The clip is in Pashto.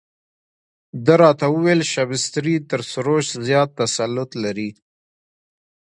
ده راته وویل شبستري تر سروش زیات تسلط لري.